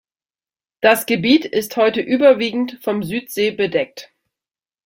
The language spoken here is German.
Das Gebiet ist heute überwiegend vom Südsee bedeckt.